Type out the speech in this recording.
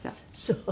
そう。